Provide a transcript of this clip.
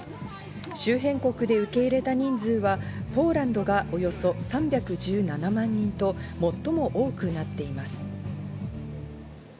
周辺国で受け入れた人数はポーランドがおよそ３１７万人と、最も多くなっています。